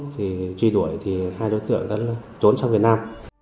thì truy đuổi thì hai đối tượng đã trốn sang việt nam